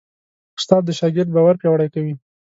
استاد د شاګرد باور پیاوړی کوي.